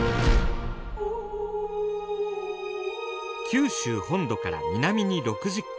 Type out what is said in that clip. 九州本土から南に６０ｋｍ。